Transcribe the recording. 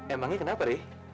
emangnya kenapa deh